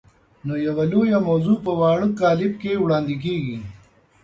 نو یوه لویه موضوع په واړه کالب کې وړاندې کېږي.